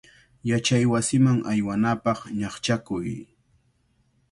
Yachaywasiman aywanapaq ñaqchakuy.